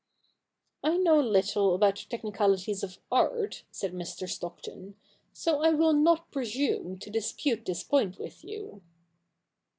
* I know little about the technicalities of art,' said Mr. Stockton, ' so I ^vill not presume to dispute this point with you.'